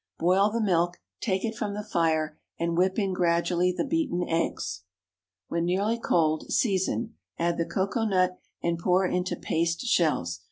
Boil the milk, take it from the fire, and whip in gradually the beaten eggs. When nearly cold, season; add the cocoa nut, and pour into paste shells.